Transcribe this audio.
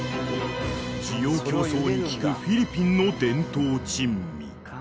［滋養強壮に効くフィリピンの伝統珍味］